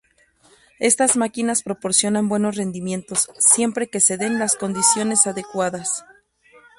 Estas máquinas proporcionan buenos rendimientos, siempre que se den las condiciones adecuadas.